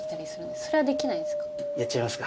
それはできないですか？